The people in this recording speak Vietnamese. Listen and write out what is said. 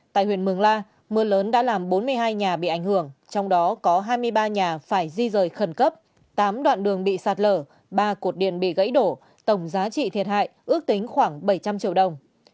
tại huyện mường la mưa lớn đã làm bốn mươi hai nhà bị ảnh hưởng trong đó có hai mươi ba nhà phải di rời khẩn cấp tám đoạn đường bị sạt lở ba cột điện bị gãy đổ tổng giá trị thiệt hại ước tính khoảng bảy trăm linh triệu đồng